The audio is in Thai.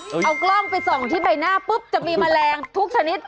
เอากล้องไปส่องที่ใบหน้าปุ๊บจะมีแมลงทุกชนิด